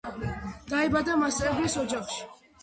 დაიბადა მასწავლებლის ოჯახში.